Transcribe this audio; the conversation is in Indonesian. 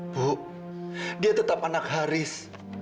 bu dia tetap anak haris